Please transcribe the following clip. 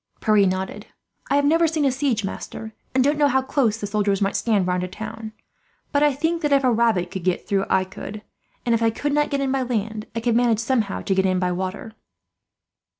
Pierre nodded. "I have never seen a siege, master, and don't know how close the soldiers might stand round a town; but I think that if a rabbit could get through I could and, if I could not get in by land, I could manage somehow to get in by water."